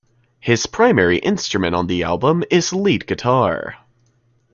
His primary instrument on the album is lead guitar.